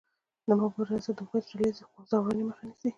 دا مبارزه د هغوی د ډله ایزې ځورونې مخه نیسي.